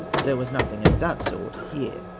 there was nothing of that sort here."